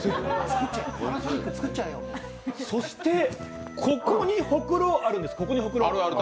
そして、ここにほくろあるんです。